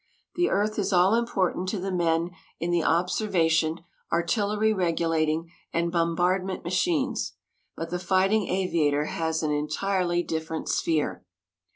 The earth is all important to the men in the observation, artillery regulating, and bombardment machines, but the fighting aviator has an entirely different sphere.